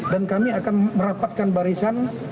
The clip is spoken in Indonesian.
dan kami akan merapatkan barisan